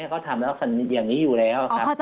เขาทำแบบนี้อยู่แล้ว